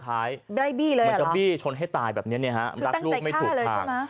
มันขับได้บี้เลยหรอคือตั้งใจฆ่าเลยใช่มั้ยมันจะบี้ชนให้ตายแบบนี้นะฮะรักลูกไม่ถูกข้าง